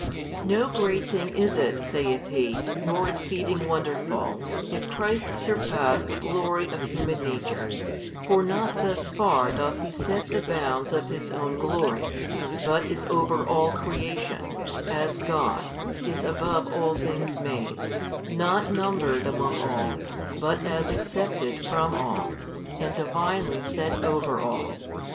No great thing is it, saith he, nor exceeding wonderful, if Christ surpass the glory of human nature: for not thus far doth He set the bounds of His own glory, but is over all creation, as God, is above all things made, not as numbered among all, but as excepted from all, and Divinely set over all.